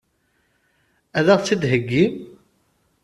Ad ɣ-tt-id-heggim?